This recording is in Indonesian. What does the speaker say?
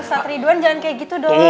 ustadz ridwan jangan kayak gitu dong